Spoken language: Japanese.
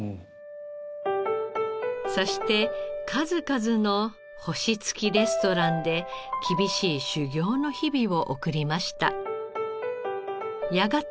そして数々の星付きレストランで厳しい修業の日々を送りました。